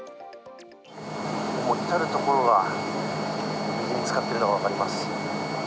至る所が水につかっているのが分かります。